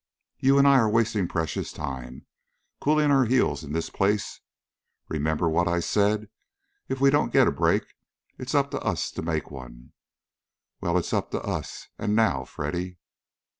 You and I are wasting precious time, cooling our heels in this place. Remember what I said? If we don't get a break, it's up to us to make one. Well, it's up to us, and now, Freddy!"